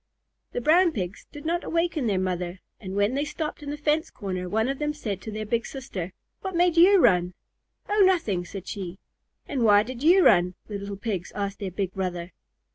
The Brown Pigs did not awaken their mother, and when they stopped in the fence corner one of them said to their big sister, "What made you run?" "Oh, nothing," said she. "And why did you run?" the little Pigs asked their big brother.